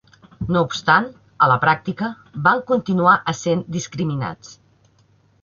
No obstant, a la pràctica, van continuar essent discriminats.